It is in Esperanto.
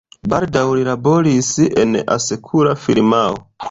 Baldaŭ li laboris en asekura firmao.